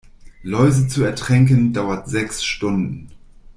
Läuse zu ertränken, dauert sechs Stunden.